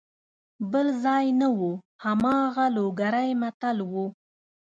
بل ځای نه وو هماغه لوګری متل وو.